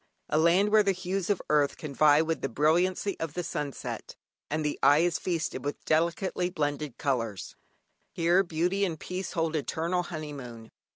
A land where the hues of earth can vie with the brilliancy of the sunset, and the eye is feasted with delicately blended colours. Here Beauty and Peace hold eternal honeymoon.